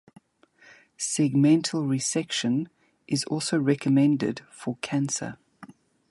Segmental resection is also recommended for cancer.